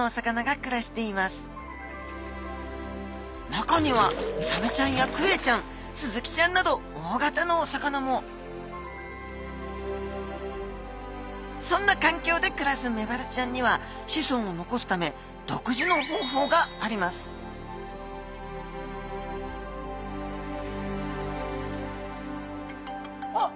中にはサメちゃんやクエちゃんスズキちゃんなど大型のお魚もそんなかんきょうで暮らすメバルちゃんには子孫を残すため独自の方法がありますあっ